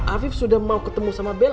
afif sudah mau ketemu sama bell